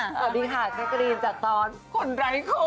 สวัสดีค่ะข้ากรีนจากตอนคนไร้โก